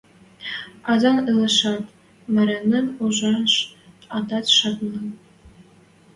Азан ылешӓт, марыным ужаш атат шаны.